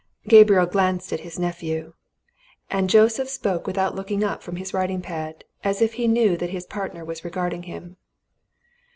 Gabriel glanced at his nephew. And Joseph spoke without looking up from his writing pad, and as if he knew that his partner was regarding him.